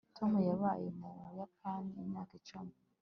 tom yabaye mu buyapani imyaka icumi